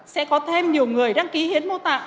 sẽ có thêm nhiều người đăng ký hiến mô tạng